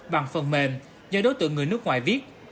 bằng phần mềm do đối tượng người nước ngoài viết